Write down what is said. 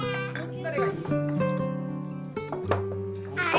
どれがいい？